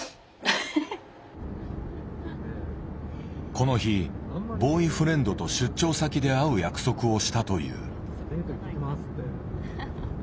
この日ボーイフレンドと出張先で会う約束をしたという。